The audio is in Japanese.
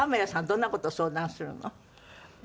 どんな事を相談するの？